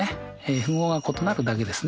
符号が異なるだけですね。